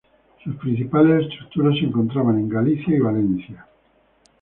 Sus principales estructuras se encontraban en Galicia y Valencia.